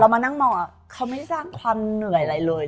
มานั่งมองเขาไม่สร้างความเหนื่อยอะไรเลย